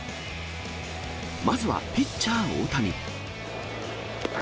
まずは、ピッチャー大谷。